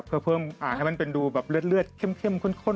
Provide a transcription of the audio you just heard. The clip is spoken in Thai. เพื่อเพิ่มให้มันเป็นดูแบบเลือดเข้มข้น